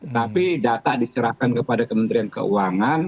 tapi data diserahkan kepada kementerian keuangan